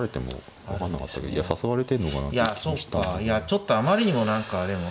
ちょっとあまりにも何かでも。